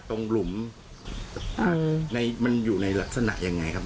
ตรงหลุมอืมในมันอยู่ในลักษณะยังไงครับ